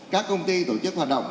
các công ty tổ chức hoạt động